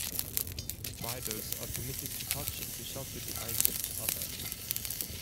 Riders are permitted to touch and to shelter behind each other.